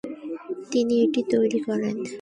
তিনি এটি তৈরী করেন।